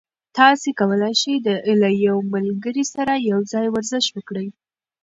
تاسي کولای شئ له یو ملګري سره یوځای ورزش وکړئ.